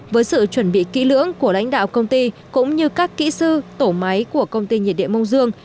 với sự chuẩn bị kỹ lưỡng của lãnh đạo công ty cũng như các kỹ sư tổ máy của công ty nhiệt điện mông dương